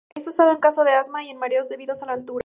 Es usado en casos de asma y en mareos debidos a la altura.